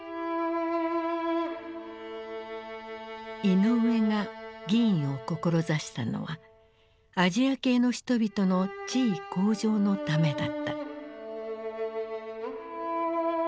イノウエが議員を志したのはアジア系の人々の地位向上のためだった。